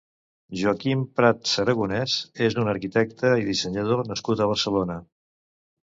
Joaquim Prats Aragonés és un arquitecte i dissenyador nascut a Barcelona.